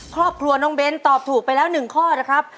ครอบครัวน้องเบ้นตอบถูกไปแล้ว๑ข้อนะครับ